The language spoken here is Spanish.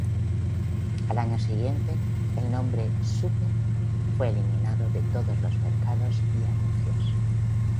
Al año siguiente, el nombre "Super" fue eliminado de todos los mercados y anuncios.